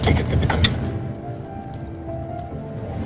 sedikit lebih tenang